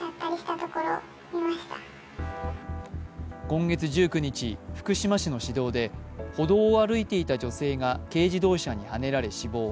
今月１９日、福島市の市道で歩道を歩いていた女性が軽自動車にはねられ死亡。